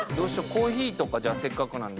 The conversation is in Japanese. コーヒーとか、せっかくなんで。